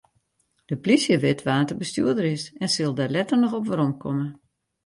De polysje wit wa't de bestjoerder is en sil dêr letter noch op weromkomme.